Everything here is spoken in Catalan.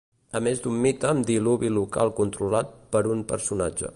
A més d'un mite amb diluvi local controlat per un personatge.